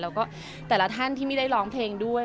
แล้วก็แต่ละท่านที่ไม่ได้ร้องเพลงด้วย